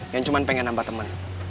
yang cuma pengen nambah temen